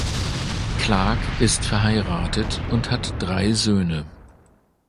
Clarke ist verheiratet und hat drei Söhne.